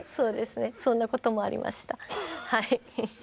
そんなこともありましたはい。